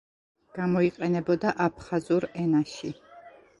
გამოიყენებოდა აფხაზურ ენაში.